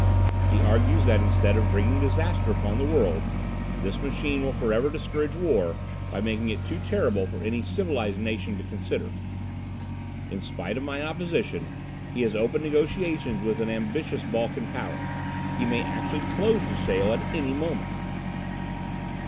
He argues that instead of bringing disaster upon the world, this machine will forever discourage war by making it too terrible for any civilized nation to consider. In spite of my opposition he has opened negotiations with an ambitious Balkan power. He may actually close the sale at any moment!